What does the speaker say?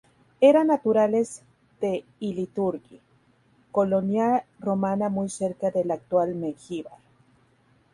Eran naturales de Iliturgi, colonia romana muy cerca de la actual Mengíbar.